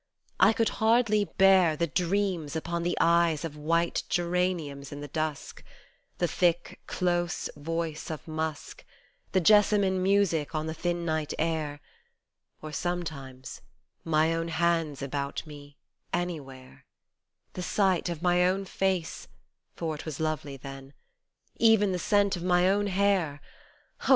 I could hardly bear The dreams upon the eyes of white geraniums in the dusk, The thick, close voice of musk, The jessamine music on the thin night air, Or, sometimes, my own hands about me anywhere The sight of my own face (for it was lovely then) even the scent of my own hair, Oh